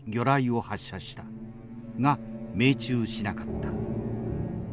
が命中しなかった。